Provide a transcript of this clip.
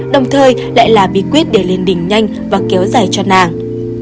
đồng thời lại là bí quyết để lên đỉnh nhanh và kéo dài cho nàng